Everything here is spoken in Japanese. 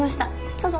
どうぞ。